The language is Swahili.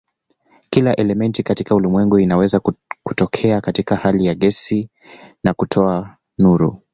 Kila elementi katika ulimwengu inaweza kutokea katika hali ya gesi na kutoa nuru.